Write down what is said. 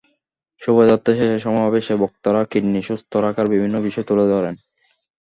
শোভাযাত্রা শেষে সমাবেশে বক্তারা কিডনি সুস্থ রাখার বিভিন্ন বিষয় তুলে ধরেন।